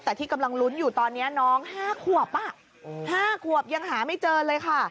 แต่ที่กำลังลุ้นอยู่ตอนนี้น้อง๕ขวบ๕ขวบยังหาไม่เจอเลยค่ะ